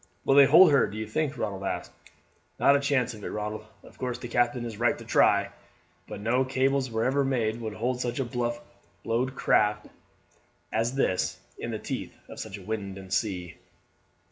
"Will they hold her, do you think?" Ronald asked. "Not a chance of it, Ronald. Of course the captain is right to try; but no cables were ever made would hold such a bluff bowed craft as this in the teeth of such a wind and sea."